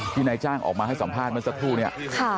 นายจ้างออกมาให้สัมภาษณ์เมื่อสักครู่เนี่ย